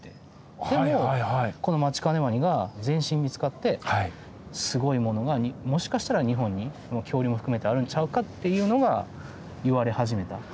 でもこのマチカネワニが全身見つかってすごいものがもしかしたら日本に恐竜も含めてあるんちゃうかっていうのが言われ始めた。